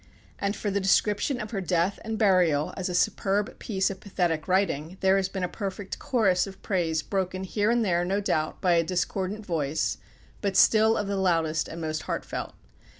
And for the description of her death and burial, as a superb piece of pathetic writing, there has been a perfect chorus of praise broken here and there no doubt by a discordant voice, but still of the loudest and most heartfelt.